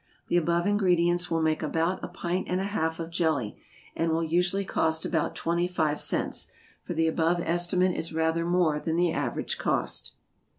The above ingredients will make about a pint and a half of jelly, and will usually cost about twenty five cents, for the above estimate is rather more than the average cost.